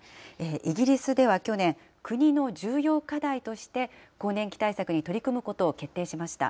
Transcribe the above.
イギリスでは去年、国の重要課題として、更年期対策に取り組むことを決定しました。